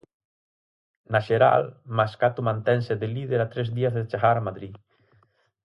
Na xeral, Mascato mantense de líder a tres días de chegar a Madrid.